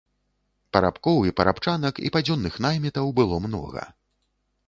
Парабкоў і парабчанак і падзённых наймітаў было многа.